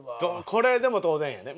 これでも当然やね。